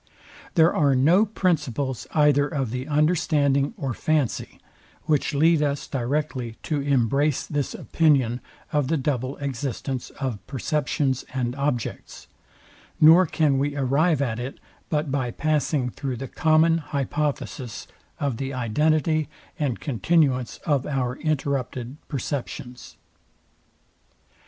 There are no principles either of the understanding or fancy, which lead us directly to embrace this opinion of the double existence of perceptions and objects, nor can we arrive at it but by passing through the common hypothesis of the identity and continuance of our interrupted perceptions.